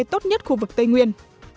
tốt nhất khu vực tây nguyên